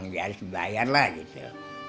jadi harus dibayar lah gitu